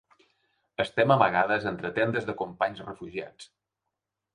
Estem amagades entre tendes de companys refugiats.